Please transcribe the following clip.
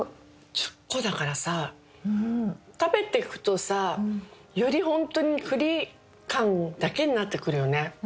１０個だからさ食べていくとさよりホントに栗感だけになってくるよね。